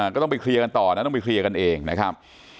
ก็ต้องไปเคลียร์กันต่อนะต้องไปเคลียร์กันเองนะครับ